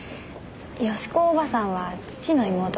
喜子おばさんは父の妹です。